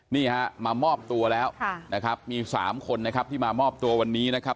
นี่ฮะมามอบตัวแล้วนะครับมี๓คนนะครับที่มามอบตัววันนี้นะครับ